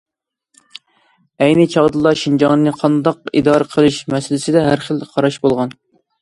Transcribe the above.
ئەينى چاغدىلا شىنجاڭنى قانداق ئىدارە قىلىش مەسىلىسىدە ھەر خىل قاراش بولغان.